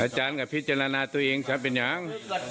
อาจารย์กับพิจารณาตัวเองซะเป็นอย่าง